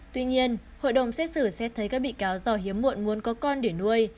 tuy nhiên hội đồng xét xử xét thấy các bị cáo do hiếm muộn muốn có con để nuôi